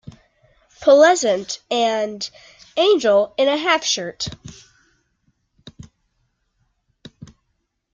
Pleasant" and "Angel in a Half Shirt".